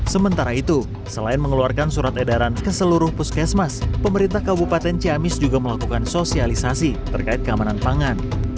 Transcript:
sementara itu selain mengeluarkan surat edaran ke seluruh puskesmas pemerintah kabupaten ciamis juga melakukan sosialisasi terkait keamanan pangan